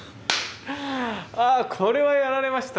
あこれはやられました。